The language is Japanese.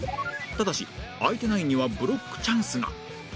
ただし相手ナインにはブロックチャンスが